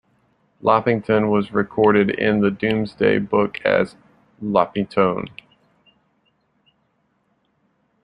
Loppington was recorded in the Domesday Book as Lopitone.